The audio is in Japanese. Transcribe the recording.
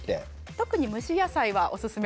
特に蒸し野菜はおすすめです。